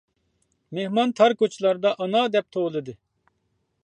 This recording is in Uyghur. مېھمان تار كوچىلاردا «ئانا! » دەپ توۋلىدى.